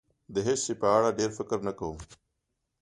د هېڅ شي په اړه ډېر فکر نه کوم.